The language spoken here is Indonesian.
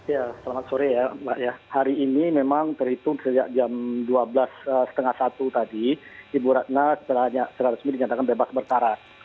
ya selamat sore ya mbak ya hari ini memang terhitung sejak jam dua belas setengah satu tadi ibu ratna secara resmi dinyatakan bebas berkara